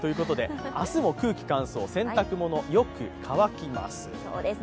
明日も空気乾燥、洗濯物、よく乾きます。